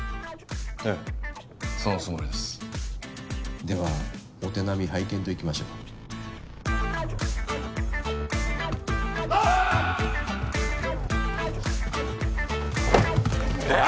ええそのつもりですではお手並み拝見といきましょうああ！